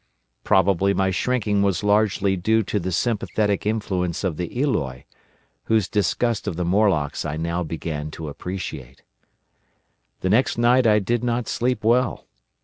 Probably my shrinking was largely due to the sympathetic influence of the Eloi, whose disgust of the Morlocks I now began to appreciate. "The next night I did not sleep well.